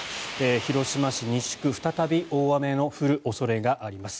広島市西区再び大雨が降る恐れがあります。